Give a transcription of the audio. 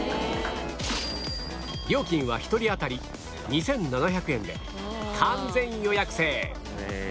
料金は１人当たり２７００円で完全予約制